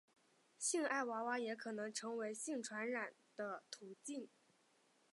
性爱娃娃也可能成为性病传染的途径。